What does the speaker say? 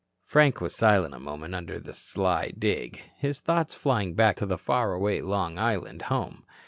Frank was silent a moment under the sly dig, his thoughts flying back to the faraway Long Island home.